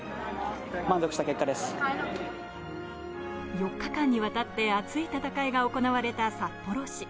４日間にわたって熱い戦いが行われた札幌市。